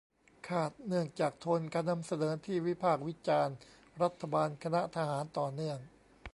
คาดเนื่องจากโทนการนำเสนอที่วิพากษ์วิจารณ์รัฐบาลคณะทหารต่อเนื่อง